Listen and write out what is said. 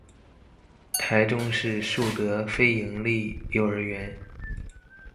臺中市樹德非營利幼兒園